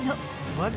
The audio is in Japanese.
マジ？